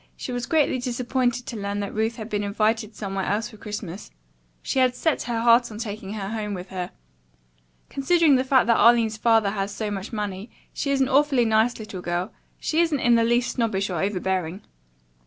She was greatly disappointed to learn that Ruth has been invited somewhere else for Christmas. She had set her heart on taking her home with her. Considering the fact that Arline's father has so much money, she is an awfully nice little girl. She isn't in the least snobbish or overbearing."